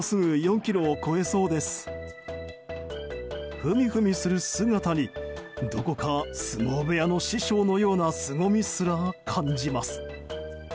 フミフミする姿にどこか、相撲部屋の師匠のようなすごみすら感じます。